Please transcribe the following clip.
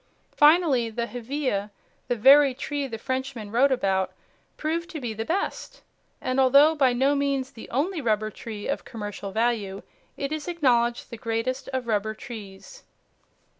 Finally, the Hevea, the very tree the Frenchman wrote about, proved to be the best, and, although by no means the only rubber tree of commercial value, it is acknowledged the greatest of rubber trees.